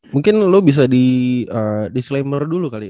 mungkin lo bisa disclaimer dulu kali